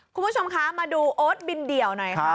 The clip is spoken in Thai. คุณผู้ชมคะมาดูโอ๊ตบินเดี่ยวหน่อยค่ะ